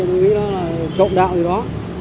tôi nghĩ nó là trộm đạo gì đó